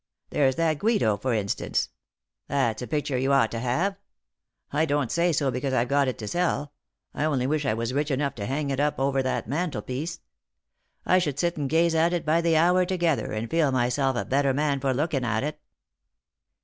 There's that Guido, for instance — that's a picture you ought to have. I don't say so because I've got it to sell. I only wish I was rich enough to hang it up over that mantelpiece. I should sit and gaze at it by the hour together, and feel myself a better man for looking at it."